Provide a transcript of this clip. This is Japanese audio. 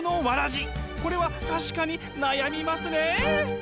これは確かに悩みますね！